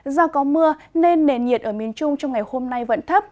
do có mưa nên nền nhiệt ở miền trung trong ngày hôm nay vẫn thấp